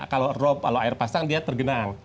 kalau rop kalau air pasang dia tergenang